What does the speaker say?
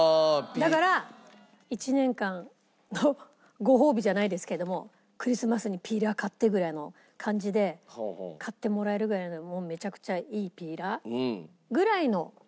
だから１年間のご褒美じゃないですけどもクリスマスにピーラー買ってぐらいの感じで買ってもらえるぐらいのもうめちゃくちゃいいピーラーぐらいの値段にしておかないと。